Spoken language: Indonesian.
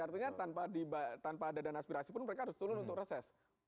artinya tanpa ada dana aspirasi pun mereka harus turun untuk reses